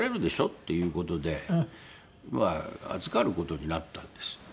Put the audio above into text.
っていう事で預かる事になったんです。